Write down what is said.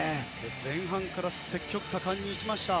前半から積極果敢に行きました。